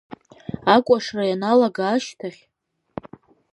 Акәашара ианалга ашьҭахь.